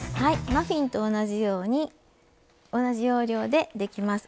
マフィンと同じように同じ要領でできます。